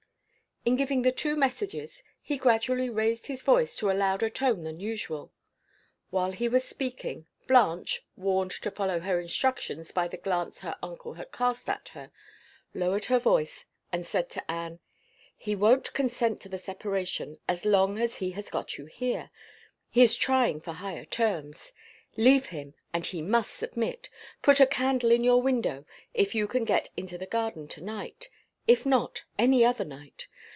In giving the two messages, he gradually raised his voice to a louder tone than usual. While he was speaking, Blanche (warned to follow her instructions by the glance her uncle had cast at her) lowered her voice, and said to Anne: "He won't consent to the separation as long as he has got you here. He is trying for higher terms. Leave him, and he must submit. Put a candle in your window, if you can get into the garden to night. If not, any other night.